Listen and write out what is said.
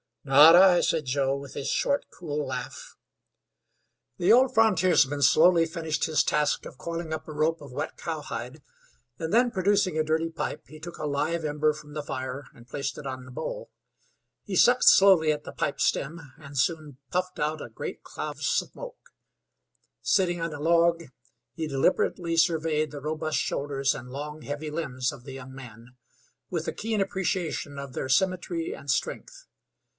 "Not I," said Joe, with his short, cool laugh. The old frontiersman slowly finished his task of coiling up a rope of wet cowhide, and then, producing a dirty pipe, he took a live ember from the fire and placed it on the bowl. He sucked slowly at the pipe stem, and soon puffed out a great cloud of smoke. Sitting on a log, he deliberately surveyed the robust shoulders and long, heavy limbs of the young man, with a keen appreciation of their symmetry and strength.